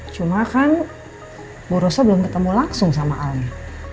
cuma kan bu rose belum ketemu langsung sama ali